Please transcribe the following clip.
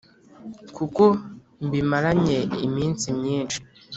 kuko mbimaranye iminsi myinshi."